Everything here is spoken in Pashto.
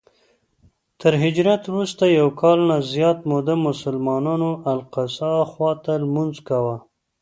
تر هجرت وروسته یو کال نه زیاته موده مسلمانانو الاقصی خواته لمونځ کاوه.